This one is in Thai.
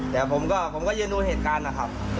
แต่ผมก็ยืนดูเหตุการณ์นะครับ